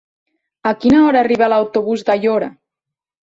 A quina hora arriba l'autobús d'Aiora?